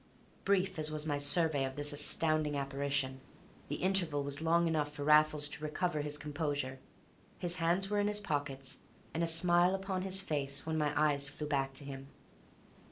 Brief as was my survey of this astounding apparition, the interval was long enough for Raffles to recover his composure; his hands were in his pockets, and a smile upon his face, when my eyes flew back to him.